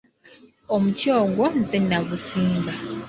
Omuti ogwo nze nnagusimba.